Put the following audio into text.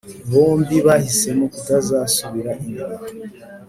bombi bahisemo kutazasubira inyuma